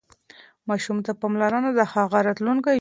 ماشوم ته پاملرنه د هغه راتلونکی جوړوي.